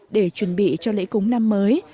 để chuẩn bị cho lễ cúng năm mới